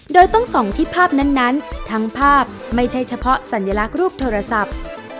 โดยต้องส่องที่ภาพนั้นทั้งภาพไม่ใช่เฉพาะสัญลักษณ์รูปโทรศัพท์